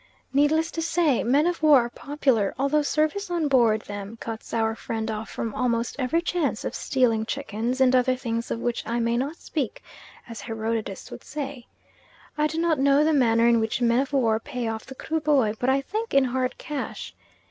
Needless to say, men of war are popular, although service on board them cuts our friend off from almost every chance of stealing chickens and other things of which I may not speak, as Herodotus would say. I do not know the manner in which men of war pay off the Kruboy, but I think in hard cash.